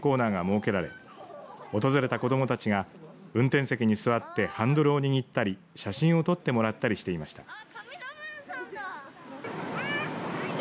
駐車場には、観光バスとパトカーの体験コーナーが設けられ訪れた子どもたちが運転席に座ってハンドルを握ったり写真を撮ってもらったりしていました。